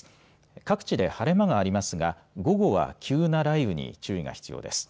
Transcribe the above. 各地で晴れ間がありますが午後は急な雷雨に注意が必要です。